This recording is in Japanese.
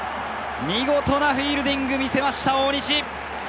見事なフィールディングを見せました、大西。